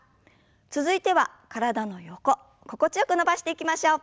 続いては体の横心地よく伸ばしていきましょう。